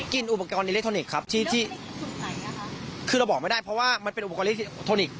อุปกรณ์อิเล็กทรอนิกส์ครับที่คือเราบอกไม่ได้เพราะว่ามันเป็นอุปกรณิทรอนิกส